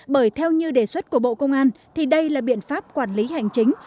bởi theo như đề xuất của bộ công an thì đây là biện pháp quản lý hành chính